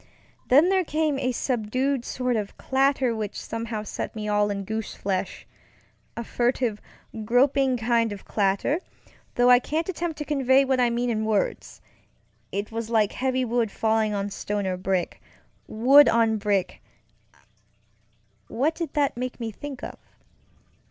Then there came a subdued sort of clatter which somehow set me all in goosefleshŌĆöa furtive, groping kind of clatter, though I can't attempt to convey what I mean in words. It was like heavy wood falling on stone or brickŌĆöwood on brickŌĆöwhat did that make me think of?